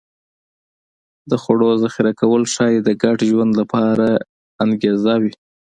د خوړو ذخیره کول ښایي د ګډ ژوند لپاره انګېزه وي